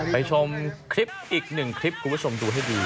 ไปชมอีก๑คลิปคุณผู้ชมดูให้ดี